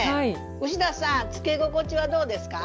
牛田さんつけ心地はどうですか？